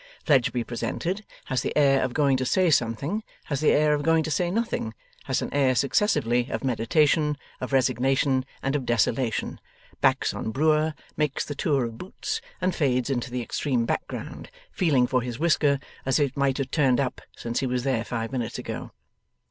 Fledgeby presented, has the air of going to say something, has the air of going to say nothing, has an air successively of meditation, of resignation, and of desolation, backs on Brewer, makes the tour of Boots, and fades into the extreme background, feeling for his whisker, as if it might have turned up since he was there five minutes ago.